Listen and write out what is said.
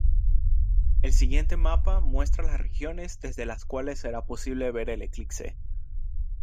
El siguiente mapa muestra las regiones desde las cuales será posible ver el eclipse.